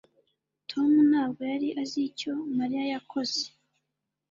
Tom ntabwo yari azi icyo Mariya yakoze